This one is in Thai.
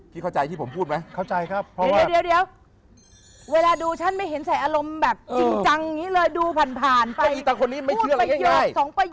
คิดเข้าใจที่ผมพูดไหมเดี๋ยวเวลาดูฉันไม่เห็นใส่อารมณ์แบบจริงจังอย่างนี้เลยดูผ่านไปพูดประโยคสองประโยค